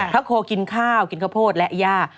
โคกินข้าวกินข้าวโพดและย่า